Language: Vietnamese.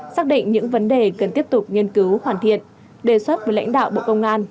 xác định những vấn đề cần tiếp tục nghiên cứu hoàn thiện đề xuất với lãnh đạo bộ công an